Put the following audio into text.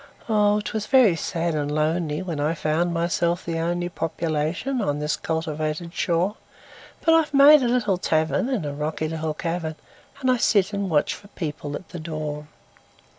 Oh! 'twas very sad and lonelyWhen I found myself the onlyPopulation on this cultivated shore; But I've made a little tavernIn a rocky little cavern, And I sit and watch for people at the door.